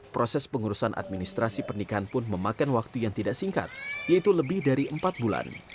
proses pengurusan administrasi pernikahan pun memakan waktu yang tidak singkat yaitu lebih dari empat bulan